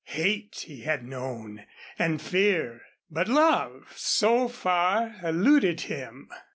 Hate he had known and fear, but love had so far eluded him.